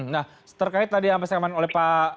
nah terkait tadi yang disampaikan oleh pak